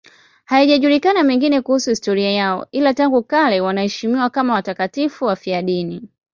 Hayajulikani mengine kuhusu historia yao, ila tangu kale wanaheshimiwa kama watakatifu wafiadini.